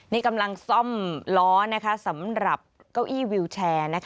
นี่กำลังซ่อมล้อสำหรับเก้าอี้วิวแชร์